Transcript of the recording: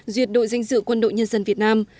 duyệt đội danh dự quân đội nhân dân việt nam